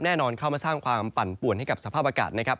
แน่นอนเข้ามาสร้างความปั่นป่วนให้กับสภาพอากาศนะครับ